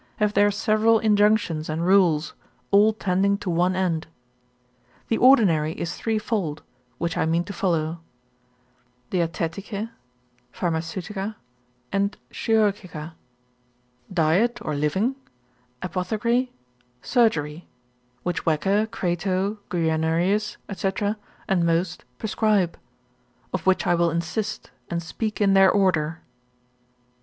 have their several injunctions and rules, all tending to one end. The ordinary is threefold, which I mean to follow. Διαιτητικὴ, Pharmaceutica, and Chirurgica, diet, or living, apothecary, chirurgery, which Wecker, Crato, Guianerius, &c., and most, prescribe; of which I will insist, and speak in their order.